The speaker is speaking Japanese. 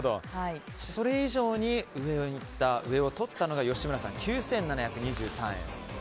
それ以上に上をとったのが吉村さん９７２３円。